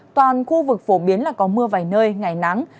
toàn khu vực phổ biến là có mưa vài nơi ngày nắng